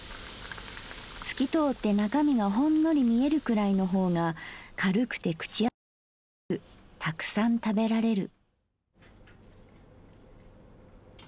透きとおって中味がホンノリ見えるくらいの方が軽くて口あたりがよくたくさん食べられる」。